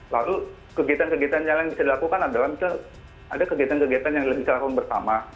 lalu kegiatan kegiatan jalan yang bisa dilakukan adalah misalnya ada kegiatan kegiatan yang kita lakukan bersama